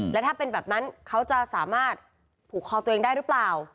และถ้าเป็นแบบนั้นเขาจะสามารถผูกคอตัวเองได้หรือเปล่า